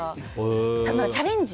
チャレンジ。